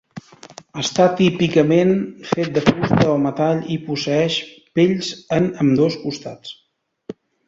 Està típicament fet de fusta o metall i posseeix pells en ambdós costats.